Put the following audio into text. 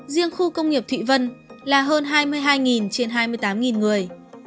riêng khu công nghiệp thụy vân là hơn hai mươi hai trên hai mươi tám người